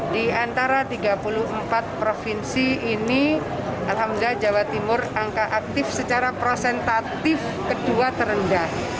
di antara tiga puluh empat provinsi ini alhamdulillah jawa timur angka aktif secara prosentatif kedua terendah